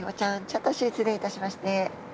ちょっと失礼いたしますね。